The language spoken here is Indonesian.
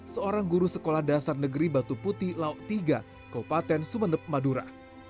seorang guru sekolah dasar negeri batu putih lauk tiga kabupaten sumeneb madura